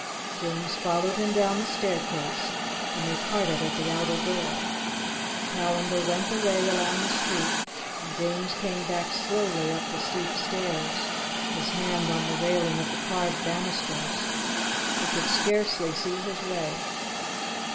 James followed him down the staircase, and they parted at the outer door. Callandar went away along the street, and James came back slowly up the steep stairs, his hand on the railing of the carved banisters. He could scarcely see his way.